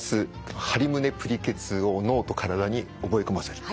ハリ胸＆ぷりケツを脳と体に覚え込ませる。